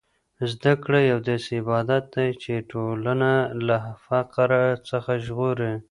زده کړه یو داسې عبادت دی چې ټولنه له فقر څخه ژغوري.